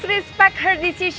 terus terus terus